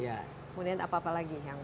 kemudian apa apa lagi yang